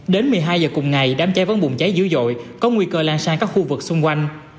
đến một mươi hai giờ cùng ngày đám cháy vẫn bùng cháy dữ dội có nguy cơ lan sang các khu vực xung quanh